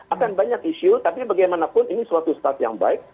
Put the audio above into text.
akan banyak isu tapi bagaimanapun ini suatu saat yang baik